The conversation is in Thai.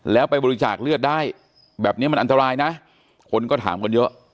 แล้วไปบริจาคเลือดได้แบบนี้มันอันตรายนะคนก็ถามกันเยอะ